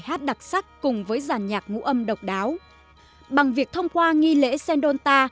hát đặc sắc cùng với giàn nhạc ngũ âm độc đáo bằng việc thông qua nghi lễ sendonta